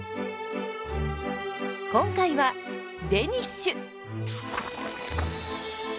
今回はデニッシュ！